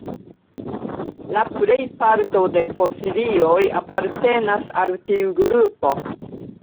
La plej parto de fosilioj apartenas al tiu grupo.